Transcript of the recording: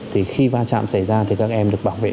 thì khi va chạm xảy ra thì các em được bảo vệ